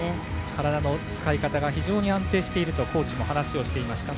体の使い方が非常に安定しているとコーチも話をしていました。